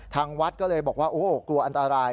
ทางวัดก็เลยบอกว่าโอ้กลัวอันตราย